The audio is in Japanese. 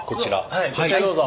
はいこちらどうぞ。